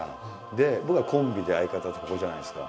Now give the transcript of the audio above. で僕はコンビで相方とここじゃないですか。